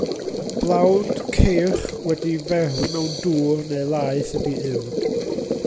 Blawd ceirch wedi'i ferwi mewn dŵr neu laeth ydy uwd.